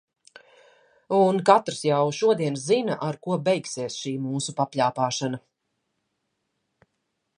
Un katrs jau šodien zina, ar ko beigsies šī mūsu papļāpāšana.